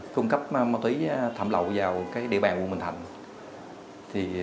cung cấp ma túy thẩm lậu vào địa bàn quận bình thạnh